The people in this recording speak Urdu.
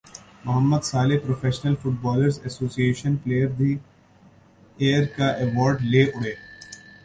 Muhammad Salah professional footballers association player the year کا ایوارڈ لے اڑے